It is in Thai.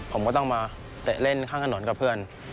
ผมก็ต้องมาเตะเล่นข้างถนนกับเพื่อน